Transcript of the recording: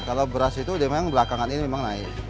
kalau beras itu memang belakangan ini memang naik